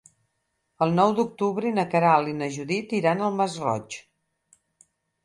El nou d'octubre na Queralt i na Judit iran al Masroig.